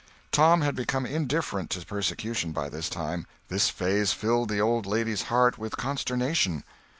Tom had become indifferent to persecution by this time. This phase filled the old lady's heart with consternation.